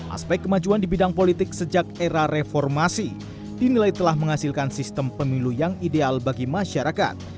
aspek kemajuan di bidang politik sejak era reformasi dinilai telah menghasilkan sistem pemilu yang ideal bagi masyarakat